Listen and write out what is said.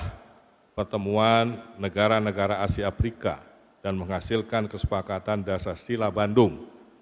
kota bandung adalah pertemuan negara negara asia afrika dan menghasilkan kesepakatan dasa sila bandung